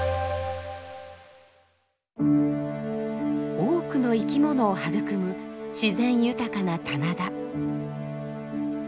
多くの生きものを育む自然豊かな棚田。